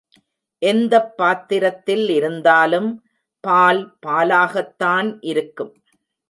எந்தப் பாத்திரத்தில் இருந்தாலும் பால் பாலாகத்தான் இருக்கும்.